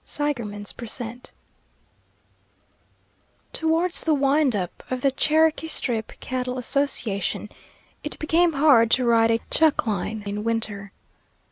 II SEIGERMAN'S PER CENT Towards the wind up of the Cherokee Strip Cattle Association it became hard to ride a chuck line in winter.